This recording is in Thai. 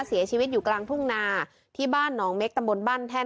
เสียชีวิตอยู่กลางทุ่งนาที่บ้านหนองเม็กตำบลบ้านแท่น